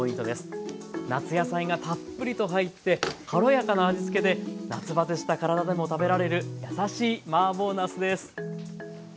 夏野菜がたっぷりと入って軽やかな味付けで夏バテした体でも食べられるやさしいマーボーなすです。